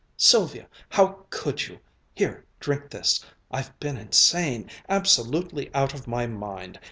Sylvia, how could you? Here, drink this! I've been insane, absolutely out of my mind!